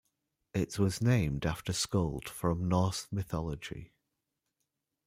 It was named after Skuld from Norse mythology.